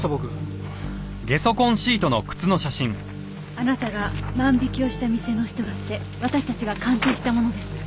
あなたが万引きをした店の人が捨て私たちが鑑定したものです。